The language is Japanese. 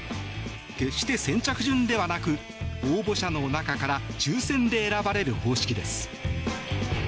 決して先着順ではなく応募者の中から抽選で選ばれる方式です。